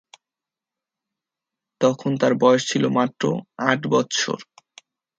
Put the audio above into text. তখন তার বয়স ছিল মাত্র আট বৎসর।